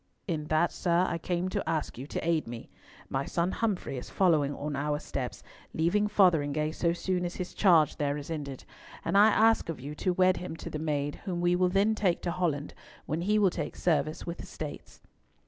"In that, sir, I came to ask you to aid me. My son Humfrey is following on our steps, leaving Fotheringhay so soon as his charge there is ended; and I ask of you to wed him to the maid, whom we will then take to Holland, when he will take service with the States."